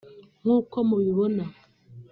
nk’uko mubibona